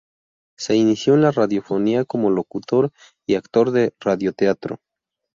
Se inició en la radiofonía como locutor y actor de radioteatro.